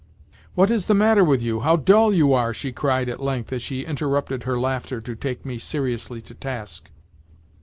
"What is the matter with you? How dull you are!" she cried at length as she interrupted her laughter to take me seriously to task.